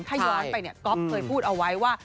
ถ้าย้อนไปเนี่ยก๊อฟเคยพูดเอาไว้ว่า